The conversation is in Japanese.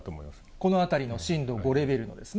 この辺りの震度５レベルのですね。